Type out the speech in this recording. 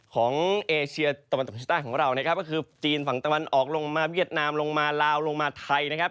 เอเชียตะวันตกเฉียใต้ของเรานะครับก็คือจีนฝั่งตะวันออกลงมาเวียดนามลงมาลาวลงมาไทยนะครับ